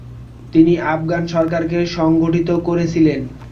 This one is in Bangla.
তিনি আফগান সরকারকে সংগঠিত করেছিলেন।